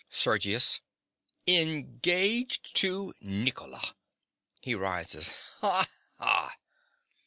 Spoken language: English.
_) SERGIUS. Engaged to Nicola! (He rises.) Ha! ha!